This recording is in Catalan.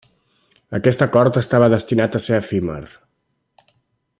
Aquest acord estava destinat a ser efímer.